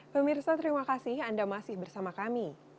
pemirsa terima kasih anda masih bersama kami